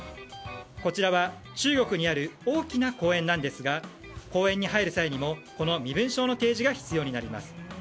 こちらは中国にある大きな公園ですが公園に入る際にも身分証の提示が必要になります。